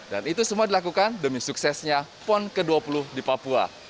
dan itu semua dilakukan demi suksesnya pon ke dua puluh di papua